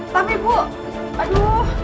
tapi bu aduh